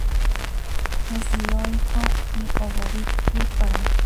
Es dioico y ovovivíparo.